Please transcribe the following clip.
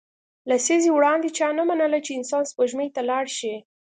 لسیزې وړاندې چا نه منله چې انسان سپوږمۍ ته لاړ شي